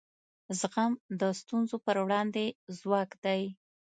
زغم د ستونزو پر وړاندې ځواک دی.